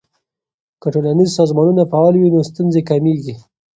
که ټولنیز سازمانونه فعال وي نو ستونزې کمیږي.